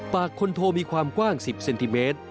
คนโทมีความกว้าง๑๐เซนติเมตร